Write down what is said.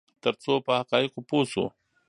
ترڅو په حقایقو پوه شو.